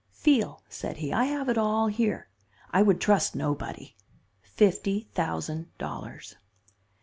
'Feel,' said he, 'I have it all here. I would trust nobody. Fifty, thousand dollars.